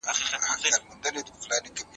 ناروغان وايي، خلک پر دوی نظر ساتي.